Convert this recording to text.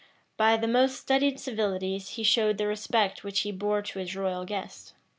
By the most studied civilities, he showed the respect which he bore to his royal guest.